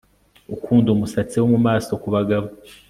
Ukunda umusatsi wo mumaso kubagabo